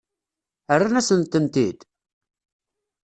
Rran-asen-tent-id?